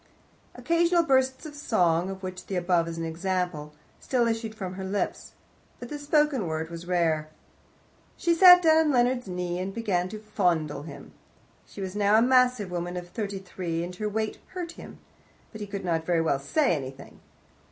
Occasional bursts of song (of which the above is an example) still issued from her lips, but the spoken word was rare. She sat down on Leonard's knee, and began to fondle him. She was now a massive woman of thirty three, and her weight hurt him, but he could not very well say anything.